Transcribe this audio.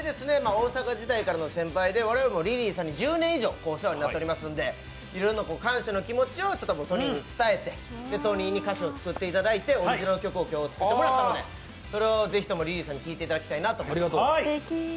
大阪時代からの先輩で我々もリリーさんに１０年以上お世話になっていますのでいろんな感謝の気持ちをトニーに伝えて、トニーに歌詞を作っていただいてオリジナル曲を作ってもらったのでそれをぜひともリリーさんに聴いていただきたいなと。